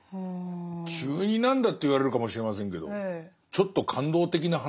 急に何だって言われるかもしれませんけどちょっと感動的な話ですね。